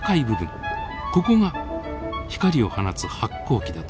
ここが光を放つ発光器だといいます。